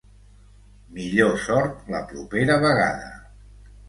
Millor sort la propera vegada!.